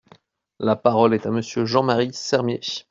La parole est à Monsieur Jean-Marie Sermier.